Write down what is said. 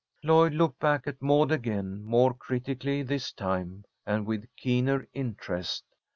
Lloyd looked at Maud again, more critically this time, and with keener interest.